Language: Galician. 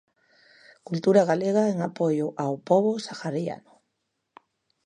Cultura galega en apoio ao pobo sahariano.